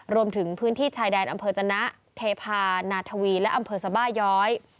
รวมถึงพื้นที่ชายแดนอำเภอจนะเทพานาทวีและอำเภอสบาย้อย